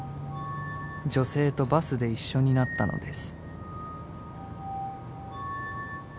［女性とバスで一緒になったのです］